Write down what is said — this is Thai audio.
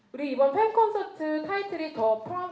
เดี๋ยวในคำถามก็เป็น